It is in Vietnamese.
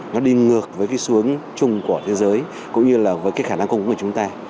nó đi ngược với cái xuống chung của thế giới cũng như là với cái khả năng cung ứng của chúng ta